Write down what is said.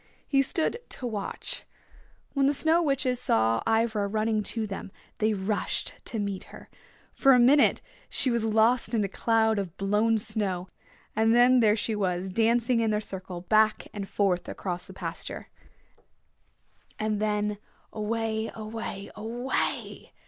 He stood to watch. When the Snow Witches saw Ivra running to them they rushed to meet her. For a minute she was lost in a cloud of blown snow, and then there she was dancing in their circle back and forth across the pasture, and then away, away, away!